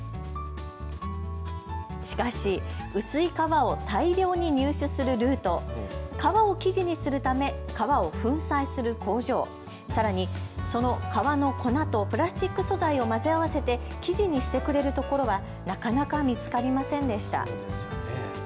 しかし薄い皮を大量に入手するルート、皮を生地にするため皮を粉砕する工場、さらにその皮の粉とプラスチック素材を混ぜ合わせて生地にしてくれるところはなかなか見つかりませんでした。